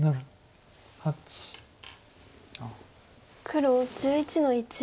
黒１１の一。